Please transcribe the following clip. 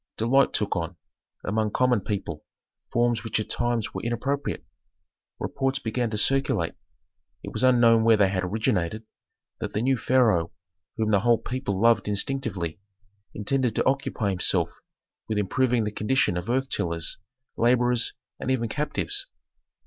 Delight took on, among common people, forms which at times were inappropriate. Reports began to circulate, it was unknown where they had originated, that the new pharaoh, whom the whole people loved instinctively, intended to occupy himself with improving the condition of earth tillers, laborers, and even captives.